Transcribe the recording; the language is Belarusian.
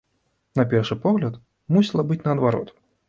На першы погляд, мусіла быць наадварот.